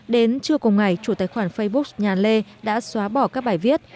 đến trưa cùng ngày chủ tài khoản facebook nhàn lê đã xóa bỏ các bài viết